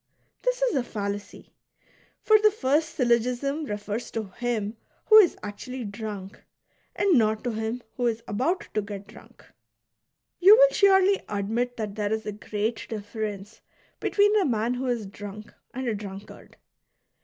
This is a fallacy. For the first syllogism refers to him who is actually drunk and not to him who is about to get drunk. You will surely admit that there is a great difference between a man who is drunk and a drunkard.